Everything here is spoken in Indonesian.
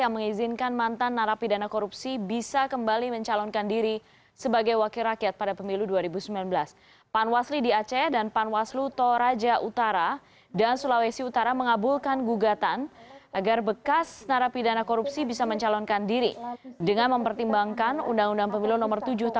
menolak peraturan komisi pemilu umum